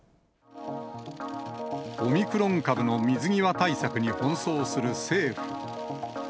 オミクロン株の水際対策に奔走する政府。